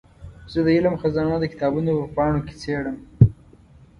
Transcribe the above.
زه د علم خزانه د کتابونو په پاڼو کې څېړم.